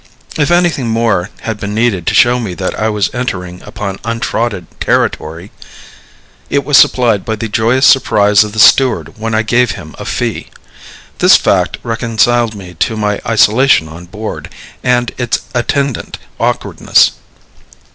If anything more had been needed to show me that I was entering upon untrodden territory, it was supplied by the joyous surprise of the steward when I gave him a fee. This fact reconciled me to my isolation on board, and its attendant awkwardness.